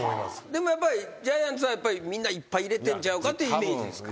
でもやっぱりジャイアンツはみんないっぱい入れてんちゃうかっていうイメージですか？